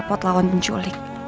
repot lawan penculik